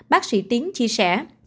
bác sĩ tiến chia sẻ